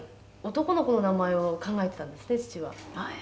男の子の名前を考えてたんですって父は」